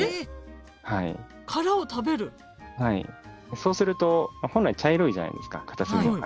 そうすると本来茶色いじゃないですかカタツムリの殻。